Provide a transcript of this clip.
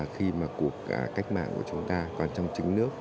khi mà cuộc cách mạng của chúng ta còn trong chính nước